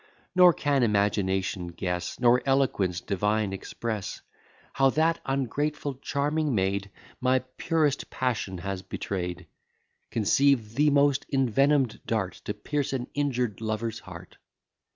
Nor can imagination guess, Nor eloquence divine express, How that ungrateful charming maid My purest passion has betray'd: Conceive the most envenom'd dart To pierce an injured lover's heart.